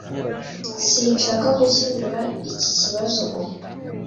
Sinshaka gukemura iki kibazo ubu.